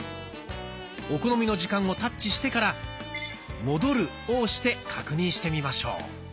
お好みの時間をタッチしてから「戻る」を押して確認してみましょう。